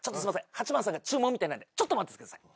８番さんが注文みたいなんでちょっと待っててください。